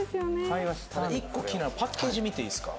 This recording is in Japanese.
ただ１個気になるパッケージ見ていいすか？